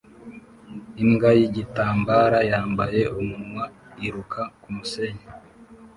Imbwa yigitambara yambaye umunwa iruka kumusenyi